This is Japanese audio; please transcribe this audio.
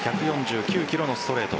１４９キロのストレート。